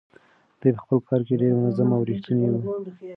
دی په خپل کار کې ډېر منظم او ریښتونی و.